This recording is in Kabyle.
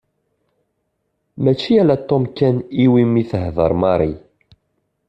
Mačči ala Tom kan iwimi tehder Mary.